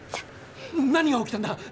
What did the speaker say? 何が起きたんだ